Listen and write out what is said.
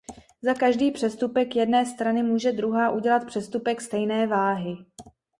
Za každý přestupek jedné strany může druhá udělat přestupek stejné váhy.